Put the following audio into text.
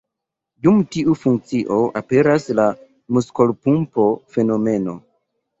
Dum tiu funkcio aperas la „muskolpumpo”-fenomeno.